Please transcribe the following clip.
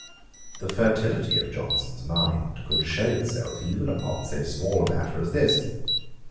The fertility of Johnson's mind could shew itself even upon so small a matter as this.